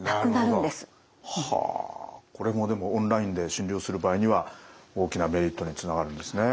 これもオンラインで診療する場合には大きなメリットにつながるんですね。